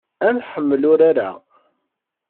Ad nḥemmel urar-a.